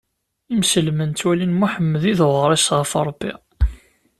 Imselmen ttwalin Muḥemmed i d uɣris ɣef Rebbi.